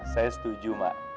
saya setuju emak